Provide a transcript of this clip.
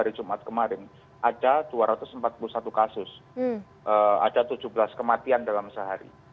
hari jumat kemarin ada dua ratus empat puluh satu kasus ada tujuh belas kematian dalam sehari